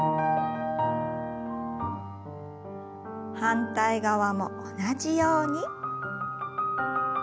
反対側も同じように。